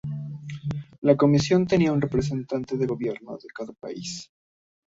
La Comisión tenía un representante del gobierno de cada país.